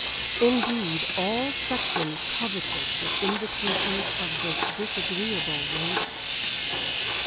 Indeed, all sections coveted the invitations of this disagreeable lady.